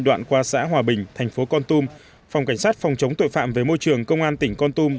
đoạn qua xã hòa bình thành phố con tum phòng cảnh sát phòng chống tội phạm về môi trường công an tỉnh con tum